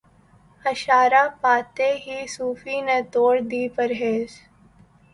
اشارہ پاتے ہی صوفی نے توڑ دی پرہیز